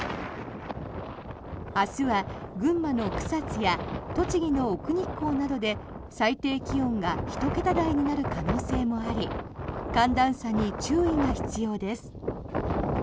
明日は群馬の草津や栃木の奥日光などで最低気温が１桁台になる可能性もあり寒暖差に注意が必要です。